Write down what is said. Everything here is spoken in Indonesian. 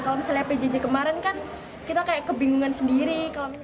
kalau misalnya pjj kemarin kan kita kayak kebingungan sendiri